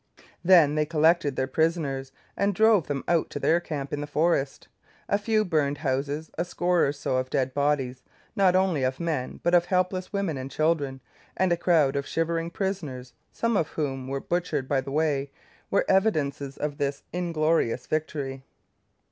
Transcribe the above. Then they collected their prisoners and drove them out to their camp in the forest. A few burned houses, a score or so of dead bodies, not only of men but of helpless women and children, and a crowd of shivering prisoners, some of whom were butchered by the way, were the evidences of this inglorious victory.